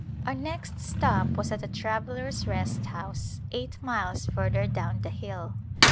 Our next stop was at a travellers' rest house eight miles further down the hill.